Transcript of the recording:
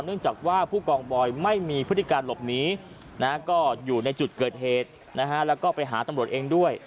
ต้องนึกจากว่าผู้กองบอยไม่มีพฤติการหลบหนีในจุดเกิดเหตุแล้วก็ไปหาตำรวจเองด้วย